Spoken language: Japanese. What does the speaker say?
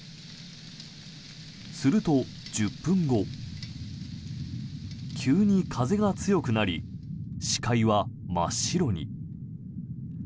すると、１０分後急に風が強くなり視界は真っ白に。